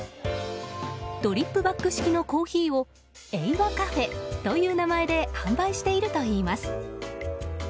ドリップバッグ式のコーヒーをＥｉｗａｃａｆｅという名前で販売しているといいます。